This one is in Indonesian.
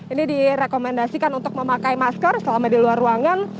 ini direkomendasikan untuk memakai masker selama di luar ruangan